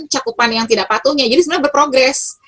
cakupan yang tidak patuhnya jadi sebenarnya berprogres